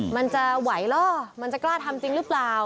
มันจะไหวเหรอมันจะกล้าทำจริงหรือเปล่า